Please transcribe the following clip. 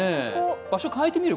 場所変えてみる？